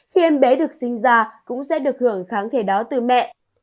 khi em bé được sinh ra cũng sẽ được hưởng kháng thể đó từ mẹ